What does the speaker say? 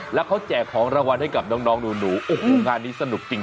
และเขาแจกของรวันให้กับน้องดูงานนี้สนุกจริง